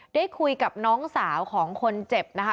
ได้คุยกับน้องสาวของคนเจ็บนะคะ